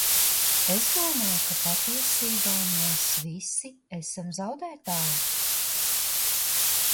Es domāju, ka patiesībā mēs visi esam zaudētāji.